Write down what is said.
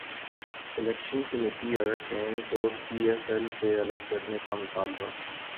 selection committee اراکین کو P S L سے الگ کرنے کا مطالبہ